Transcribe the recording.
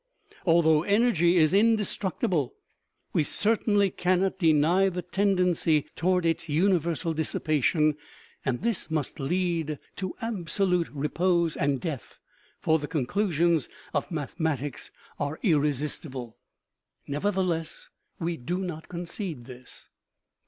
Although energy is indestructible, we certainly cannot deny the tendency toward its universal dissipation, and this must lead to absolute repose and death, for the con clusions of mathematics are irresistible. z8o OMEGA. Nevertheless, we do not concede this.